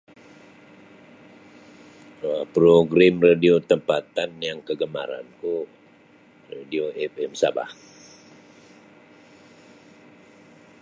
Da program radio tempatan yang kegemaranku, radio fm Sabah.